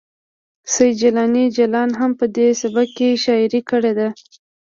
سید جیلاني جلان هم په دې سبک کې شاعري کړې ده